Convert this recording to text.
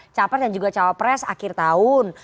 capres dan juga cawapres akhir tahun